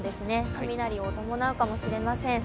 雷を伴うかもしれません。